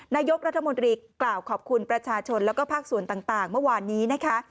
นายกรัฐมนตรีกล่าวขอบคุณประชาชนแล้วก็ภาคส่วนต่างเมื่อวานนี้นะคะ